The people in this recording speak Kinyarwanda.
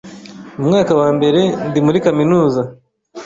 Mu mwaka wa mbere ndi muri kaminuza